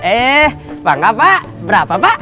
eh bangga pak berapa pak